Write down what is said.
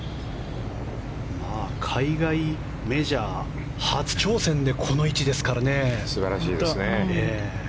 海外メジャー初挑戦でこの位置ですからね。素晴らしいですね。